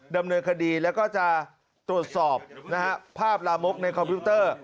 ดำเนินคดีแล้วก็จะตรวจสอบนะฮะภาพลามกในคอมพิวเตอร์